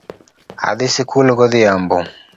Adhi sikul godhiambo